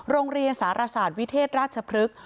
โรงเรียนสารศาสตร์วิเทศราชพฤกษ์